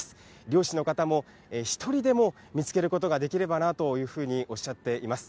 漁師の方も、１人でも見つけることができればなというふうにおっしゃっています。